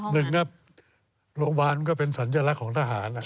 ๑โรงพยาบาลมันก็เป็นสัญลักษณ์ของทหาร